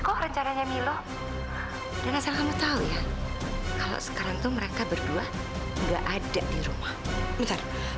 kok rencananya milo dan saya kamu tahu ya kalau sekarang tuh mereka berdua nggak ada di rumah ntar